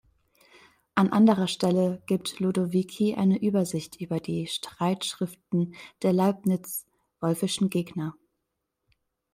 An anderer Stelle gibt Ludovici eine Übersicht über die „Streit-Schrifften der Leibnitz=Wolffischen Gegner“.